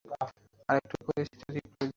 আর একটু পরে সেটার রিপ্লাই দেয়া।